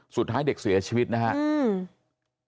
สุดท้ายเด็กเสียชีวิตนะครับ